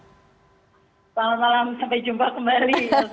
selamat malam sampai jumpa kembali